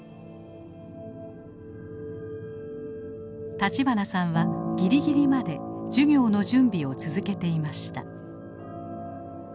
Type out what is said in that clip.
立花さんはギリギリまで授業の準備を続けていました。